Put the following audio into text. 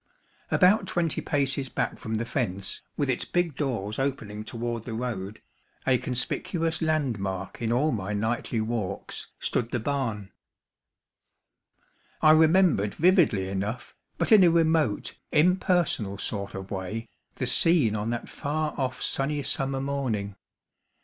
About twenty paces back from the fence, with its big doors opening toward the road, a conspicuous landmark in all my nightly walks, stood the barn. I remembered vividly enough, but in a remote, impersonal sort of way, the scene on that far off sunny summer morning.